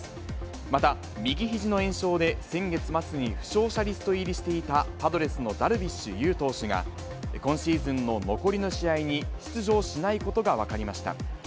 また、右ひじの炎症で先月末に負傷者リスト入りしていたパドレスのダルビッシュ有投手が、今シーズンの残りの試合に出場しないことが分かりました。